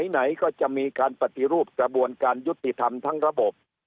ไหนก็จะมีการปฏิรูปกระบวนการยุติธรรมทั้งระบบ